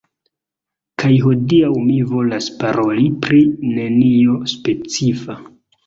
Kaj hodiaŭ mi volas paroli pri nenio specifa